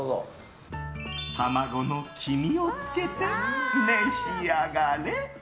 卵の黄身をつけて召し上がれ！